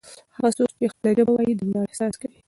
هغه څوک چې خپله ژبه وايي د ویاړ احساس کوي.